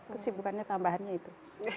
kesibukannya tambahannya itu